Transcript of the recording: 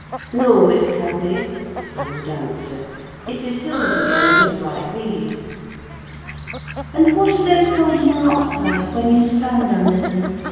"No, Miss Cathy," I would answer; "it is hills again, just like these." "And what are those golden rocks like when you stand under them?"